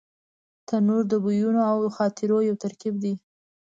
تنور د بویونو او خاطرو یو ترکیب دی